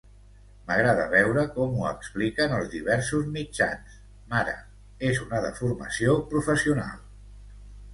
M'agrada veure com ho expliquen els diversos mitjans, mare, és una deformació professional.